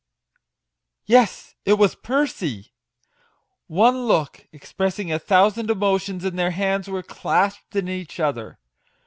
Yes, it was Percy ! One look, expressing a thousand emotions, and their hands were clasped in each other